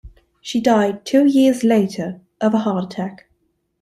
She died two years later of a heart attack.